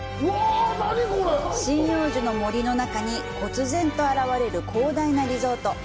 針葉樹の森の中に忽然と現れる広大なリゾート。